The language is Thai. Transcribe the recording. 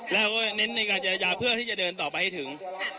แล้วก็เน้นในการเจรจาเพื่อที่จะเดินต่อไปให้ถึง